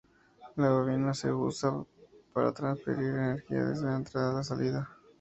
La bobina se usa para transferir energía desde la entrada a la salida.